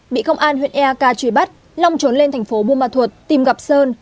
bị công an huyện eak truy bắt long trốn lên thành phố buma thuột tìm gặp sơn